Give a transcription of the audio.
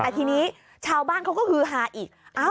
แต่ทีนี้ชาวบ้านเขาก็ฮือฮาอีก